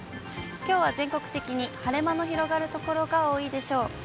きょうは全国的に晴れ間の広がる所が多いでしょう。